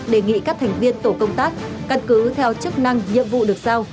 đề nghị các thành viên tổ công tác căn cứ theo chức năng nhiệm vụ được sao